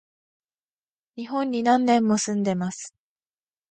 日本に何年も住んでます